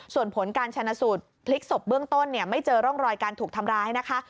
ส่วนผลการชนะสูตรพลิกศพเบื้องต้นไม่เจอร่องรอยการถูกทำร้ายนะคะ